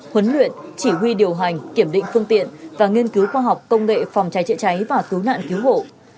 huấn luyện chỉ huy điều hành kiểm định phương tiện và nghiên cứu khoa học công nghệ phòng cháy chữa cháy và cứu nạn cứu hộ